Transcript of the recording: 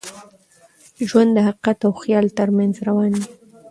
ژوند د حقیقت او خیال تر منځ روان وي.